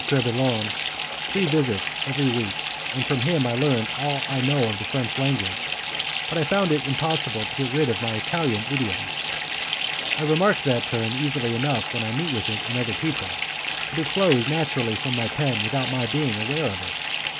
Crebillon three visits every week, and from him I learned all I know of the French language, but I found it impossible to get rid of my Italian idioms. I remark that turn easily enough when I meet with it in other people, but it flows naturally from my pen without my being aware of it.